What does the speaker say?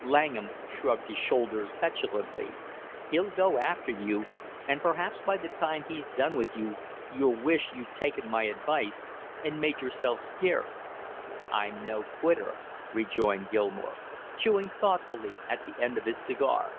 Langham shrugged his shoulders petulantly. "He'll go after you, and perhaps by the time he's done with you you'll wish you'd taken my advice and made yourself scarce!" "I'm no quitter!" rejoined Gilmore, chewing thoughtfully at the end of his cigar.